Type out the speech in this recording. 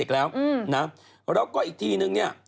และอีกทีนึง